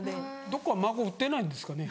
どっか孫売ってないんですかね。